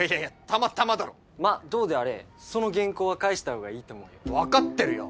たまたまだろまあどうであれその原稿は返したほうがいいと思うよわかってるよ